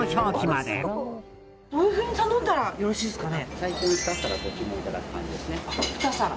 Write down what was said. どういうふうに頼んだらよろしいですかね。